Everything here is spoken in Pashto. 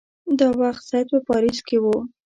دا وخت سید په پاریس کې وو.